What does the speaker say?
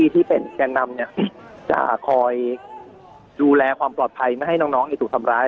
ที่เป็นแก่นำจะคอยดูแลความปลอดภัยไม่ให้น้องถูกทำร้าย